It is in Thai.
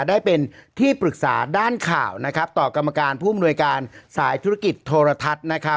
ได้เป็นที่ปรึกษาด้านข่าวต่อกรรมการผู้อำนวยการสายธุรกิจโทรทัศน์